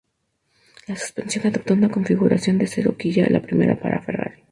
La suspensión adopta una configuración de la cero-quilla, la primera para Ferrari.